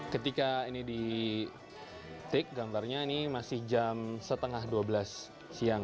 ketika ini ditik gambarnya ini masih jam setengah dua belas siang